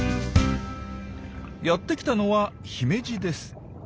やってきたのはヒメジです。